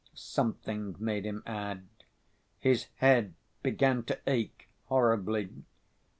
something made him add. His head began to ache horribly.